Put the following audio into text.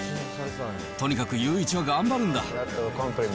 とにかく祐一は頑張るんだ。